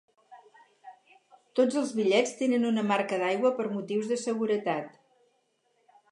Tots els bitllets tenen una marca d'aigua per motius de seguretat.